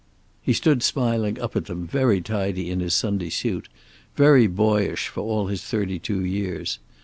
He stood smiling up at them, very tidy in his Sunday suit, very boyish, for all his thirty two years.